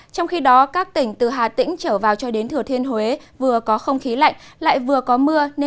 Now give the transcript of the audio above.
trong khi đó các tỉnh từ hà tĩnh trở vào cho đến thừa thiên huế vừa có không khí lạnh lại vừa có mưa